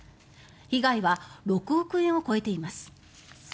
被害は６億円を超えています。